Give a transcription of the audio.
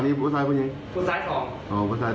อ๋อเด็กทาง๒เลย